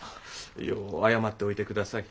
よう謝っておいてください。